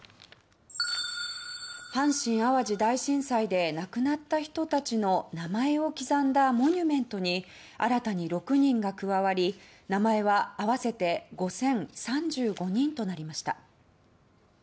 阪神・淡路大震災で亡くなった人たちの名前を刻んだモニュメントに新たに６人が加わり名前は合わせて５０３５人となりました。